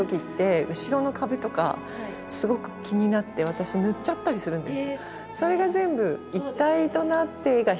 私塗っちゃったりするんです。